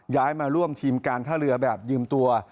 ย้ายมาร่วมทีมการท่าเรือแบบยืมตัว